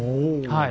はい。